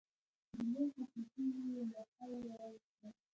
د لوښو ټوټې يې له خاورو راايستل.